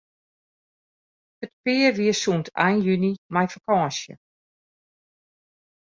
It pear wie sûnt ein juny mei fakânsje.